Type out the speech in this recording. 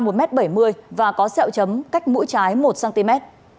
cao một m bảy mươi và có xẹo chấm cách mũi trái một cm